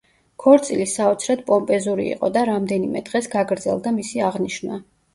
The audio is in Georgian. ქორწილი საოცრად პომპეზური იყო და რამდენიმე დღეს გაგრძელდა მისი აღნიშვნა.